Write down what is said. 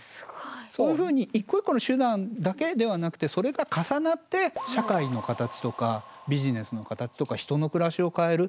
そういうふうに一個一個の手段だけではなくてそれが重なって社会の形とかビジネスの形とか人の暮らしを変える。